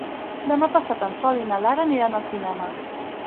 Demà passat en Sol i na Lara aniran al cinema.